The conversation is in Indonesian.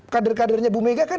kader kadernya bu mega kan